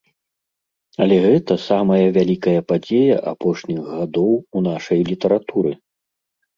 Але гэта самая вялікая падзея апошніх гадоў у нашай літаратуры.